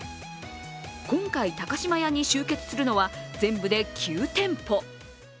今回高島屋に集結するのは全部で９店舗。